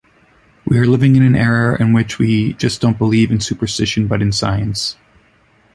We are living in era in which we just don’t believe in superstition but in science.